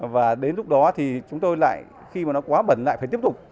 và đến lúc đó thì chúng tôi lại khi mà nó quá bẩn lại phải tiếp tục